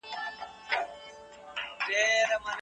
دا له هغه مرورو مرور دی